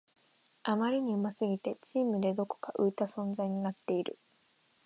あまりに上手すぎてチームでどこか浮いた存在になっている